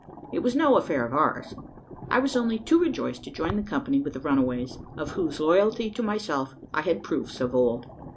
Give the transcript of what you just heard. It was no affair of ours. I was only too rejoiced to join company with the runaways, of whose loyalty to myself I had proofs of old.